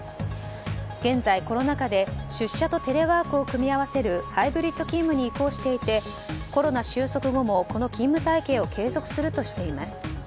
現在、コロナ禍で出社とテレワークを組み合わせるハイブリッド勤務に移行していてコロナ収束後もこの勤務体系を継続するとしています。